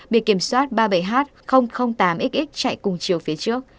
bị kiểm soát ba mươi bảy h tám xx chạy cùng chiều phía trước